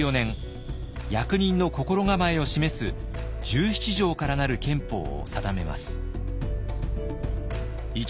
役人の心構えを示す１７条から成る憲法を定めます。